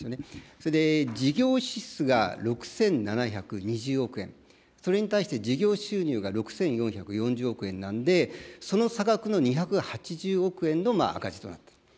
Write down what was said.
それで、事業支出が６７２０億円、それに対して、事業収入が６４４０億円なんで、その差額の２８０億円の赤字となっている。